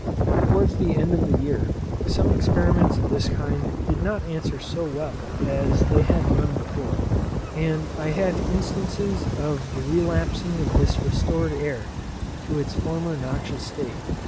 Towards the end of the year some experiments of this kind did not answer so well as they had done before, and I had instances of the relapsing of this restored air to its former noxious state.